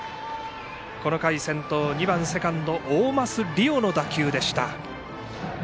この回先頭、２番、セカンド大舛凌央の打球。